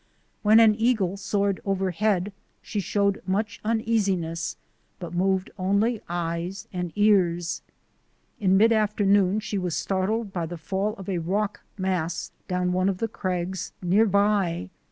When an eagle soared overhead she showed much uneasiness but moved only eyes and ears. In mid afternoon she was startled by the fall of a rock mass down one of the crags near by.